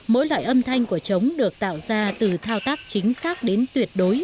mỗi loại âm thanh của chống được tạo ra từ thao tác chính xác đến tuyệt đối